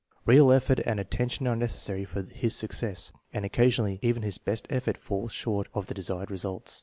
Real effort and attention are necessary for his success, and occasion ally even his best efforts fall short of the desired result.